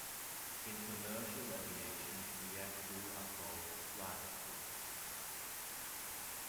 In commercial aviation, the aircrew are called "flight crew".